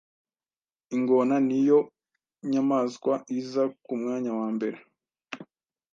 ingona ni yo nyamaswa iza ku mwanya wa mbere